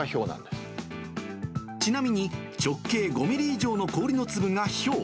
ちなみに、直径５ミリ以上の氷の粒がひょう。